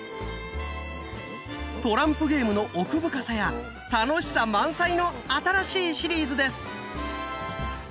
トランプゲームの奥深さや楽しさ満載の新しいシリーズです！